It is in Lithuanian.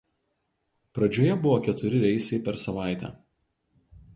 Pradžioje buvo keturi reisai per savaitę.